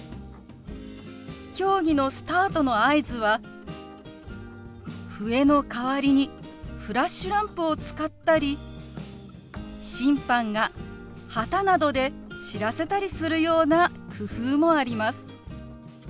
競技のスタートの合図は笛の代わりにフラッシュランプを使ったり審判が旗などで知らせたりするような工夫もあります。